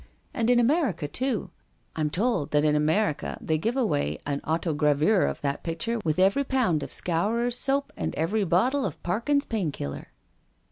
And in America, too. I'm told that in America they give away an autogravure of that pic ture with every pound of Scourer's Soap and every bottle of Parkins' Pain killer."